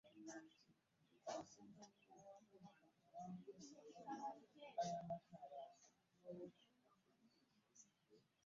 Kino kiyambeko eggwanga obutagwirwa kyeya